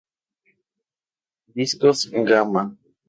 Discos Gamma.